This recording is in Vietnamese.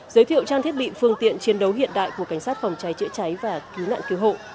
giới thiệu trang thiết bị phương tiện chiến đấu hiện đại của cảnh sát phòng cháy chữa cháy và cứu nạn cứu hộ